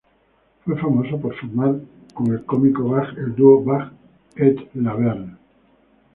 Fue famoso por formar con el cómico Bach el dúo Bach et Laverne.